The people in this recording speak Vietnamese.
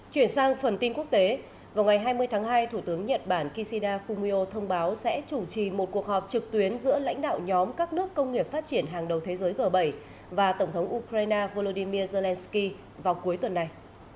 chuyển sang phần tin quốc tế vào ngày hai mươi tháng hai thủ tướng nhật bản kishida fumio thông báo sẽ chủ trì một cuộc họp trực tuyến giữa lãnh đạo nhóm các nước công nghiệp phát triển hàng đầu thế giới g bảy và tổng thống ukraine volodymyr zelensky vào cuối tuần này